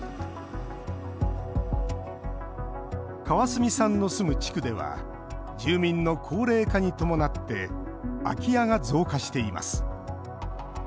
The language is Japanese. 川角さんの住む地区では住民の高齢化に伴って空き家が増加しています。